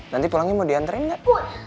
nanti pulangnya mau diantarin gak